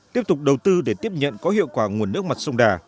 tiếp tục đầu tư để tiếp nhận có hiệu quả nguồn nước mặt sông đà